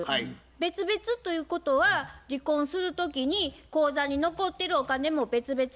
別々ということは離婚する時に口座に残ってるお金も別々。